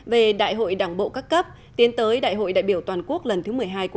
về đại hội đảng bộ các cấp tiến tới đại hội đại biểu toàn quốc lần thứ một mươi hai của